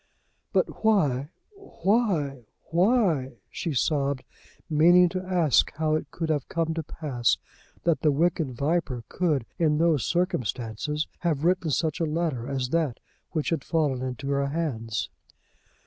"But why why why ," she sobbed, meaning to ask how it could have come to pass that the wicked viper could, in those circumstances, have written such a letter as that which had fallen into her hands.